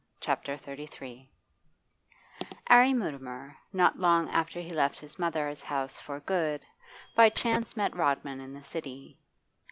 CHAPTER XXXIII 'Arry Mutimer, not long after he left his mother's house for good, by chance met Rodman in the City.